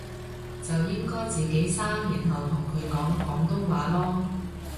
就應該自己生然後同佢講廣東話囉